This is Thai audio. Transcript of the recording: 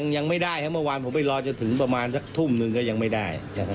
ยังไม่ได้ครับเมื่อวานผมไปรอจนถึงประมาณสักทุ่มหนึ่งก็ยังไม่ได้